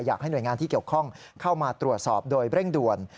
อยากให้หน่วยงานที่เกี่ยวข้องเข้ามาตรวจสอบโดยเร่งด่วน